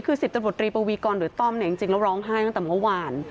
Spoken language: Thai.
คือ๑๐ตำรวจรีปวีกรหรือต้อมเนี่ยจริงแล้วร้องไห้ตั้งแต่เมื่อวาน